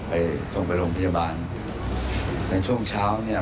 ไปส่งไปโรงพยาบาลในช่วงเช้าเนี่ย